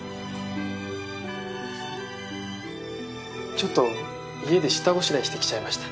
ちょっと家で下ごしらえしてきちゃいました。